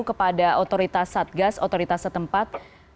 kepada otoritas satgas otoritas setempat